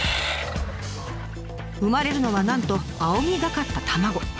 産まれるのはなんと青みがかった卵。